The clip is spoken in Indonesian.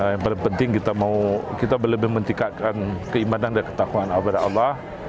yang paling penting kita mau kita lebih mentingkatkan keimanan dan ketahuan allah